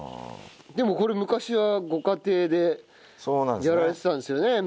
でもこれ昔はご家庭でやられてたんですよね？